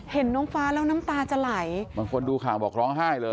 เห็นน้องฟ้าแล้วน้ำตาจะไหลบางคนดูข่าวบอกร้องไห้เลย